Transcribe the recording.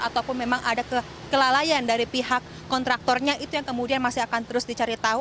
ataupun memang ada kelalaian dari pihak kontraktornya itu yang kemudian masih akan terus dicari tahu